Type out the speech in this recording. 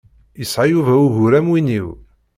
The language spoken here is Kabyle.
Yesɛa Yuba ugur am win-iw.